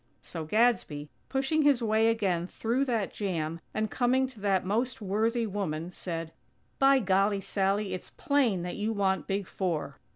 So Gadsby, pushing his way again through that jam, and coming to that most worthy woman, said: "By golly, Sally! It's plain that you want Big Four."